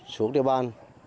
xuống địa bàn